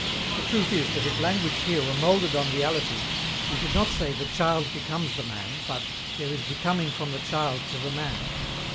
The truth is that if language here were molded on reality, we should not say "The child becomes the man," but "There is becoming from the child to the man."